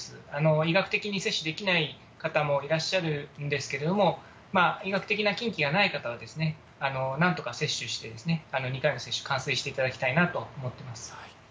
医学的に接種できない方もいらっしゃるんですけれども、医学的な禁忌がない方は、なんとか接種して、２回の接種、完成していただきたいなと思っています。